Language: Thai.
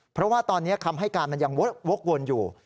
เพราะว่าตอนนี้คำให้การมันยังวกวนอยู่